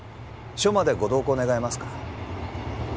署までご同行願えますか？